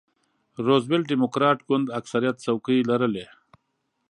روزولټ ډیموکراټ ګوند اکثریت څوکۍ لرلې.